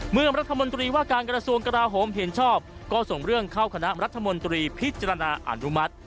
เมื่อรัฐมนตรีว่าการกระทรวงกราโหมเห็นชอบก็ส่งเรื่องเข้าคณะรัฐมนตรีพิจารณาอนุมัติ